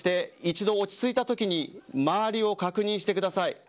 一度、落ち着いたときに周りを確認してください。